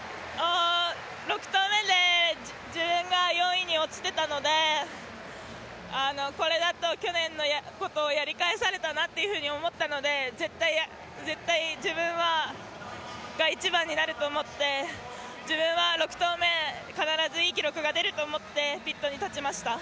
６投目で自分が４位に落ちていたので、これだと去年のことをやり返されたなと思ったので、絶対自分が１番になると思って自分は６投目、必ずいい記録が出ると思ってピットに立ちました。